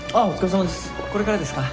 これからですか？